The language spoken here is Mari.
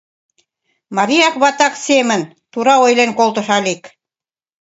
— Марияк-ватак семын, — тура ойлен колтыш Алик.